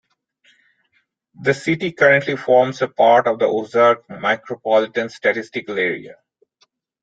The city currently forms a part of the Ozark micropolitan statistical area.